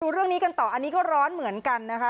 เรื่องนี้กันต่ออันนี้ก็ร้อนเหมือนกันนะคะ